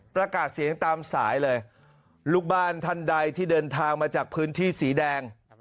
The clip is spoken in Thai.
ประกาศเสียงตามสายเลยลูกบ้านท่านใดที่เดินทางมาจากพื้นที่สีแดง